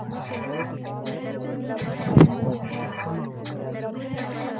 نور دې د هغو ځوابونه په خپلو کتابچو کې ولیکي.